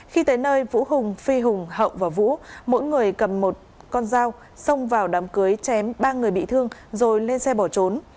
khi tới nơi vũ hùng phi hùng hậu và vũ mỗi người cầm một con dao xông vào đám cưới chém ba người bị thương rồi lên xe bỏ trốn